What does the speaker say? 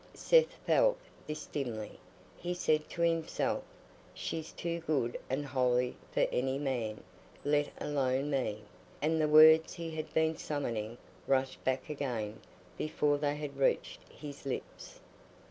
Seth felt this dimly; he said to himself, "She's too good and holy for any man, let alone me," and the words he had been summoning rushed back again before they had reached his lips.